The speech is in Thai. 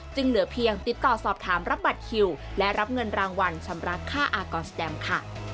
เหลือเพียงติดต่อสอบถามรับบัตรคิวและรับเงินรางวัลชำระค่าอากรสแตมค่ะ